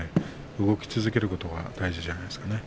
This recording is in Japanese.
動き続けることが大事じゃないですかね。